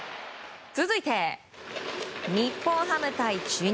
続いて、日本ハム対中日。